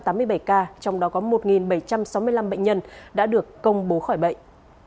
trong đó có một bảy trăm sáu mươi năm bệnh nhân đã được công bố khỏi bệnh